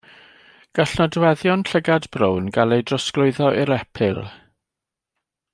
Gall nodweddion llygad brown gael ei drosglwyddo i'r epil.